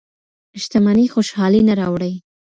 شتمني خوشحالي نه راوړي.